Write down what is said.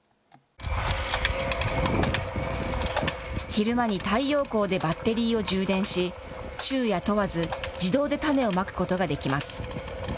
昼間に太陽光でバッテリーを充電し、昼夜問わず、自動で種をまくことができます。